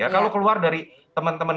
kalau keluar dari teman teman